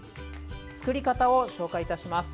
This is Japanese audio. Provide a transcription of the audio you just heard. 作り方を紹介いたします。